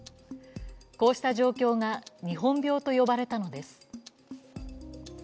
こうした状況が日本病と呼ばれたのです。